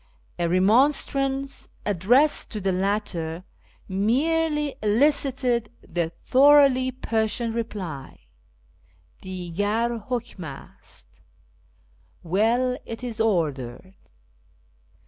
A remonstrance addressed to the latter merely elicited the thoroughly Persian reply, " Digar ... Imkm ast "(" Well ... it is ordered.")